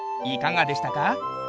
いかがでしたか？